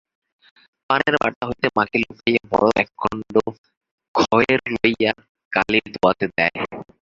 পানের বাটা হইতে মাকে লুকাইয়া বড় একখণ্ড খয়ের লইয়া কালির দোয়াতে দেয়।